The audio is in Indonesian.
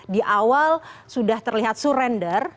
di awal sudah terlihat surender